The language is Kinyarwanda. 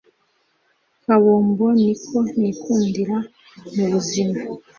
kabombo niko nikundira mubuzima